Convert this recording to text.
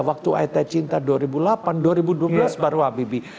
waktu aetai cinta dua ribu delapan dua ribu dua belas baru habibie